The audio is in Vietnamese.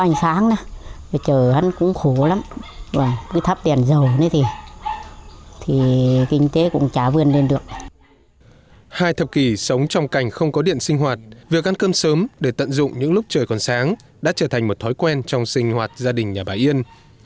hai thập kỷ sống trong cảnh không có điện sinh hoạt việc ăn cơm sớm để tận dụng những lúc trời còn sáng đã trở thành một thói quen trong sinh hoạt gia đình nhà bà yên